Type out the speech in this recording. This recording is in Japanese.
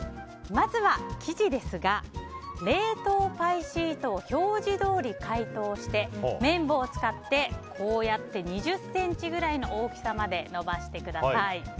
まずは、生地ですが冷凍パイシートを表示どおり解凍して麺棒を使って２０ｃｍぐらいの大きさまで延ばしてください。